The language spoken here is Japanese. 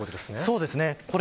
そうですね。